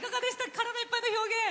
体いっぱいの表現。